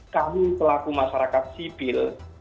kamu pelaku masyarakat sipil